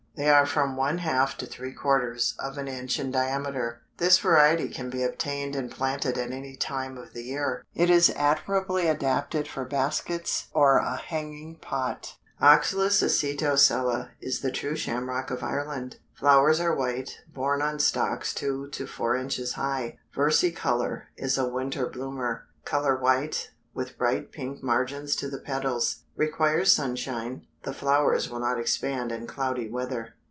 They are from one half to three quarters of an inch in diameter. This variety can be obtained and planted at any time of the year. It is admirably adapted for baskets or a hanging pot. Oxalis acetocella is the true shamrock of Ireland. Flowers are white, borne on stalks two to four inches high. Versicolor is a winter bloomer; color white, with bright pink margins to the petals; requires sunshine; the flowers will not expand in cloudy weather.